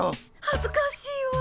はずかしいわ！